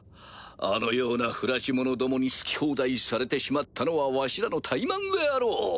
あのような不埒者どもに好き放題されてしまったのはわしらの怠慢であろう！